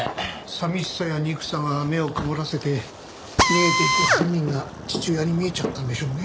寂しさや憎さが目を曇らせて逃げていく犯人が父親に見えちゃったんでしょうね。